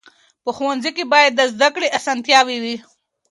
په ښوونځي کې باید د زده کړې اسانتیاوې وي.